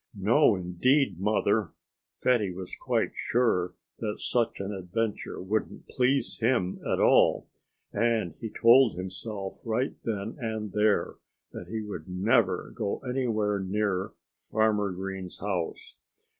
"No, indeed, Mother!" Fatty was quite sure that such an adventure wouldn't please him at all. And he told himself right then and there that he would never go anywhere near Farmer Green's house.